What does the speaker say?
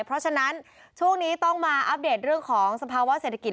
เพราะฉะนั้นช่วงนี้ต้องมาอัปเดตเรื่องของสภาวะเศรษฐกิจ